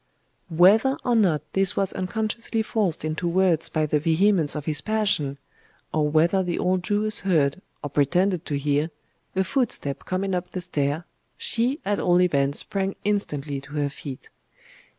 Whether or not this was unconsciously forced into words by the vehemence of his passion, or whether the old Jewess heard, or pretended to hear, a footstep coming up the stair, she at all events sprang instantly to her feet.